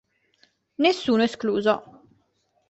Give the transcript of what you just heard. Nessuno escluso.